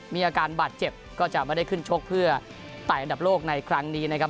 มีอาการบาดเจ็บก็จะไม่ได้ขึ้นชกเพื่อไต่อันดับโลกในครั้งนี้นะครับ